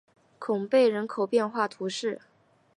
孔贝人口变化图示